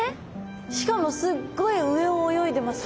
しかもすっごい上を泳いでますね！